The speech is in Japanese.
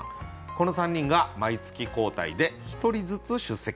この３人が毎月交代で１人ずつ出席。